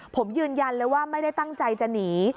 ผมยืนยันเลยว่าไม่ได้ตั้งใจจะหนี